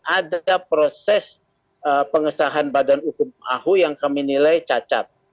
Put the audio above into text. ada proses pengesahan badan hukum ahu yang kami nilai cacat